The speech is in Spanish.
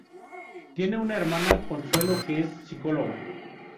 Tiene una hermana, Consuelo, que es psicóloga.